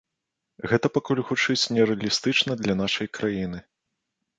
Гэта пакуль гучыць не рэалістычна для нашай краіны.